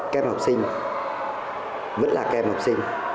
kem học sinh vẫn là kem học sinh